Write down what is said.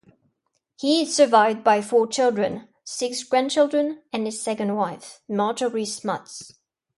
He is survived by four children, six grandchildren, and his second wife, Marjorie Smuts.